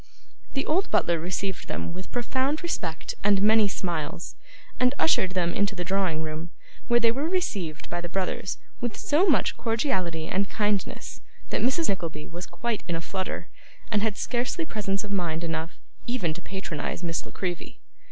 The old butler received them with profound respect and many smiles, and ushered them into the drawing room, where they were received by the brothers with so much cordiality and kindness that Mrs. Nickleby was quite in a flutter, and had scarcely presence of mind enough, even to patronise Miss La Creevy.